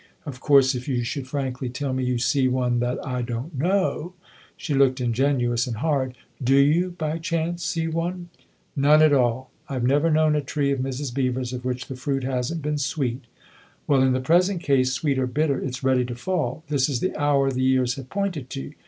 Of course if you should frankly tell me you see one that I don't know !" She looked ingenuous and hard. " Do you, by chance, see one ?" "None at all. I've never known a tree of Mrs. Beever's of which the fruit hasn't been sweet." " Well, in the present case sweet or bitter ! it's ready to fall. This is the hour the years have pointed to.